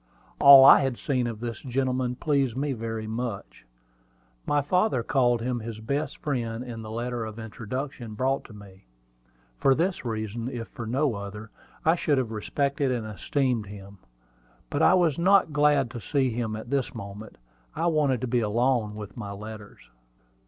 All I had seen of this gentleman pleased me very much. My father called him his best friend in the letter of introduction brought to me. For this reason, if for no other, I should have respected and esteemed him; but I was not glad to see him at this moment. I wanted to be alone with my letters.